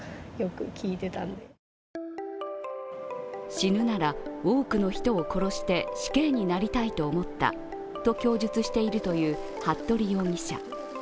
死ぬなら多くの人を殺して死刑になりたいと思ったと供述しているという服部容疑者。